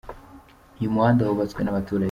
Uyu muhanda wubatswe nabaturege